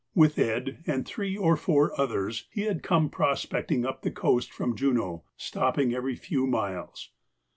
With Ed. and three or four others, he had come prospecting up the coast from Juneau, stopping every few miles.